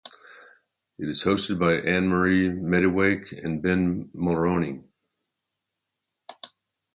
It is hosted by Anne-Marie Mediwake and Ben Mulroney.